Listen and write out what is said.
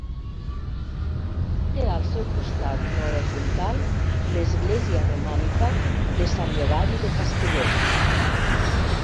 Té al seu costat nord-oriental l'església romànica de Sant Llogari de Castellet.